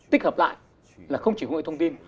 tích hợp lại là không chỉ công nghệ thông tin